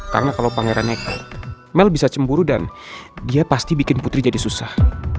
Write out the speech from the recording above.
karena kalau pangeran nekat mel bisa cemburu dan dia pasti bikin putri jadi susah